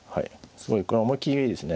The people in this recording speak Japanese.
すごいこれは思い切りがいいですね。